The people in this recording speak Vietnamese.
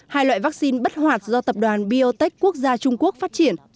hai loại vaccine bất hoạt do tập đoàn biotech quốc gia trung quốc phát triển